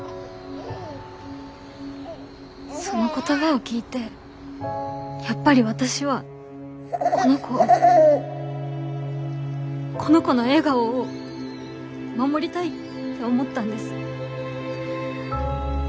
その言葉を聞いてやっぱり私はこの子をこの子の笑顔を守りたいって思ったんです。